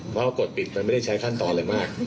เพราะว่ากดปิดมันไม่ได้ใช้ขั้นตอนอะไรมาก